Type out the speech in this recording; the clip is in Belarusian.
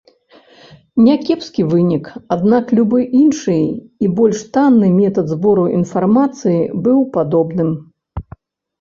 Някепскі вынік, аднак любы іншы і больш танны метад збору інфармацыі быў падобным.